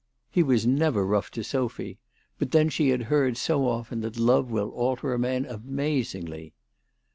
He was never rough to Sophy ; but then she had heard so often that love will alter a man amazingly